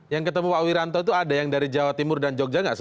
yang ketemu pak wiranto itu ada yang dari jawa timur dan jogja nggak